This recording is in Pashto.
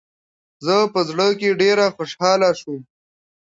زه په زړه کې ډېره خوشحاله شوم .